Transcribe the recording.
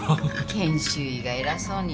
研修医が偉そうに。